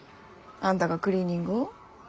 あんたがクリーニングを？